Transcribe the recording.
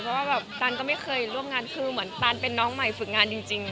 เพราะว่าแบบตันก็ไม่เคยร่วมงานคือเหมือนตันเป็นน้องใหม่ฝึกงานจริง